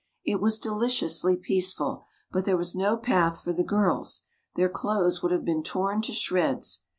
It was deliciously peaceful, but there was no path for the girls, their clothes would have been torn to shreds.